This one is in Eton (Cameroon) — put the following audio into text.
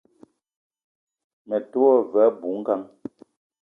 Me te wa ve abui-ngang